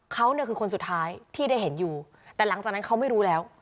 เขาเนี่ยคือคนสุดท้ายที่ได้เห็นอยู่แต่หลังจากนั้นเขาไม่รู้แล้ว